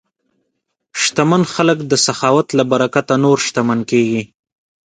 شتمن خلک د سخاوت له برکته نور شتمن کېږي.